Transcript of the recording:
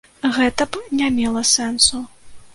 Гэта б не мела сэнсу.